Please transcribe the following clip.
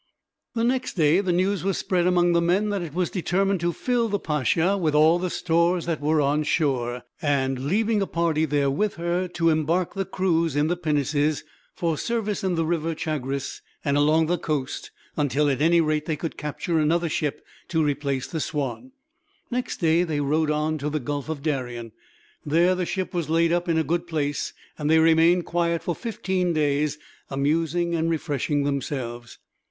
The next day the news was spread, among the men, that it was determined to fill the Pacha with all the stores that were on shore; and, leaving a party there with her, to embark the crews in the pinnaces, for service in the river Chagres and along the coast; until, at any rate, they could capture another ship to replace the Swanne. Next day they rowed on into the Gulf of Darien. There the ship was laid up in a good place, and they remained quiet for fifteen days, amusing and refreshing themselves.